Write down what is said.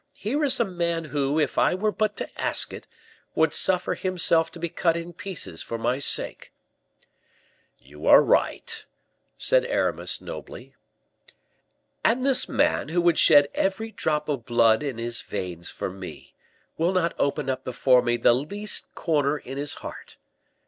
Here is a man who, if I were but to ask it, would suffer himself to be cut in pieces for my sake." "You are right," said Aramis, nobly. "And this man, who would shed every drop of blood in his veins for me, will not open up before me the least corner in his heart.